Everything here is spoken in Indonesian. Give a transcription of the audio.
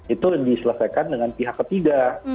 itu diselesaikan dengan pihak ketiga